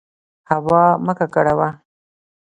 هوا مه ککړوه.